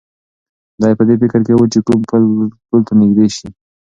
دی په دې فکر کې و چې کوم پل ته نږدې شي.